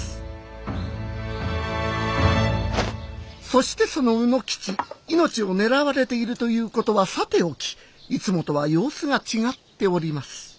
そしてその卯之吉命をねらわれているということはさておきいつもとは様子が違っております。